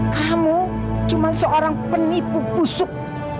kamu cuma seorang penipu busuk